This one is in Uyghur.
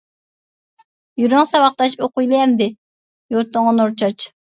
يۈرۈڭ ساۋاقداش ئوقۇيلى ئەمدى، يۇرتۇڭغا نۇر چاچ.